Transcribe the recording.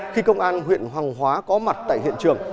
khi công an huyện hoàng hóa có mặt tại hiện trường